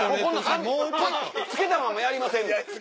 付けたままやりませんもん。